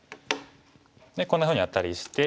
でこんなふうにアタリして。